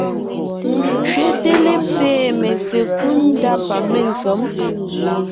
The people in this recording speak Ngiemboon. Kẅéte lépée mésekúd ndá pa ménkěm.